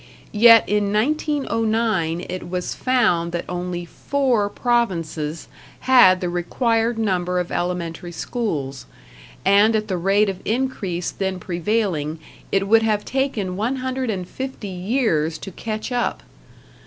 Yet in 1909 it was found that only four provinces had the required number of elementary schools, and at the rate of increase then prevailing it would have taken 150 years to catch up.